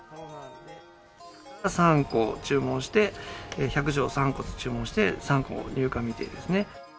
３個注文して、１００錠３個注文して、３個入荷未定ですね。